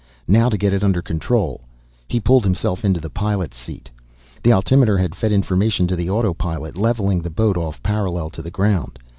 Now to get it under control. He pulled himself into the pilot's seat. The altimeter had fed information to the autopilot, leveling the boat off parallel to the ground.